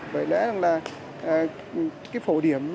vậy đấy là cái phổ điểm